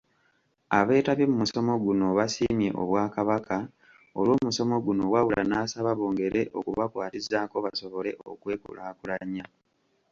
Abeetabye mu musomo guno basiimye Obwakabaka olw'omusomo guno wabula nasaba bongere okubakwatizaako basobole okwekulaakulanya.